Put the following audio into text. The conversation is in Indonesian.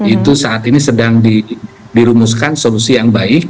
itu saat ini sedang dirumuskan solusi yang baik